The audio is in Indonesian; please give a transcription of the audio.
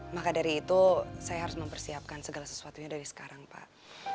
maka dari itu saya harus mempersiapkan segala sesuatunya dari sekarang pak